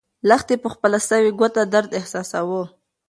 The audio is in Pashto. لښتې په خپله سوې ګوته درد احساساوه.